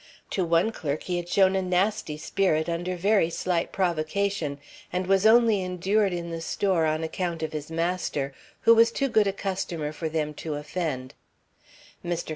To one clerk he had shown a nasty spirit under very slight provocation, and was only endured in the store on account of his master, who was too good a customer for them to offend. Mr.